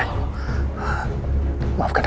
aku akan menang